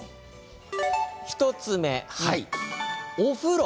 １つ目、お風呂。